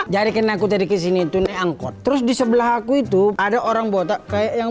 jarikan aku tadi kesini itu naik angkot terus di sebelah aku itu ada orang botak kayak yang